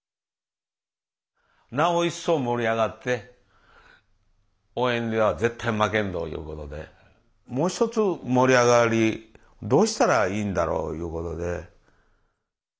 なお一層盛り上がって応援では絶対負けんぞいうことでもう一つ盛り上がりどうしたらいいんだろういうことで。